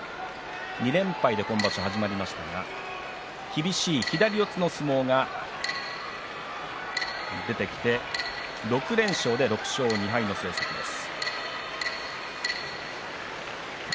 ２連敗で今場所始まりましたが厳しい左四つの相撲が出てきて６連勝で６勝２敗の成績です。